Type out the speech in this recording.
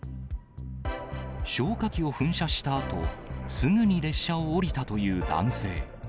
消火器を噴射したあと、すぐに列車を降りたという男性。